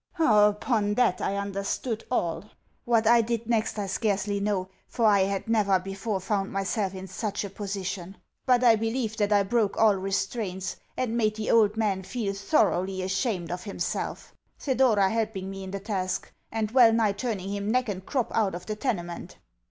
Upon that, I understood all. What I did next I scarcely know, for I had never before found myself in such a position; but I believe that I broke all restraints, and made the old man feel thoroughly ashamed of himself Thedora helping me in the task, and well nigh turning him neck and crop out of the tenement.